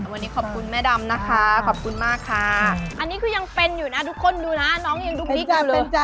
บอกวันนี้ขอบคุณแม่ดำนะคะขอบคุณมากค่ะอันนี้คือยังเป็นอยู่นะน้องดูนะแต่ตุ๊กดูเลย